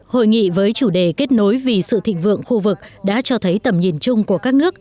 hội nghị với chủ đề kết nối vì sự thịnh vượng khu vực đã cho thấy tầm nhìn chung của các nước